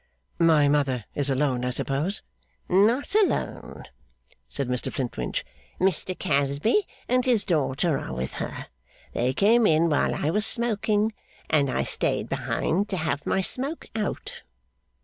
'My mother is alone, I suppose?' 'Not alone,' said Mr Flintwinch. 'Mr Casby and his daughter are with her. They came in while I was smoking, and I stayed behind to have my smoke out.